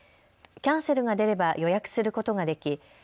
キャンセルが出れば予約することができ